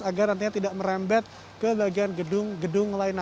agar nantinya tidak merembet ke bagian gedung gedung lainnya